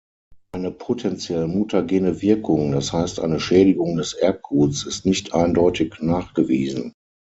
Eine potenziell mutagene Wirkung, das heißt eine Schädigung des Erbguts, ist nicht eindeutig nachgewiesen.